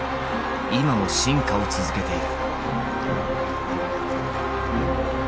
今も進化を続けている。